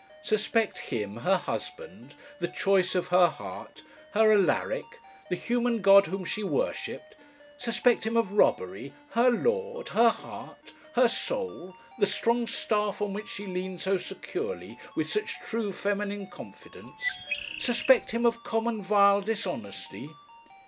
suspect him, her husband, the choice of her heart, her Alaric, the human god whom she worshipped! suspect him of robbery! her lord, her heart, her soul, the strong staff on which she leaned so securely, with such true feminine confidence! Suspect him of common vile dishonesty!